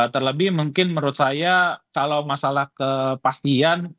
terlebih mungkin menurut saya kalau masalah kepastian